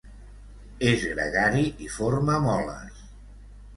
És gregari i forma moles.